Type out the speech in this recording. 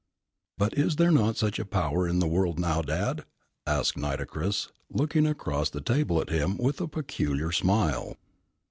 "But is there not such a power in the world now, Dad?" asked Nitocris, looking across the table at him with a peculiar smile.